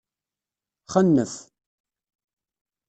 Xennef.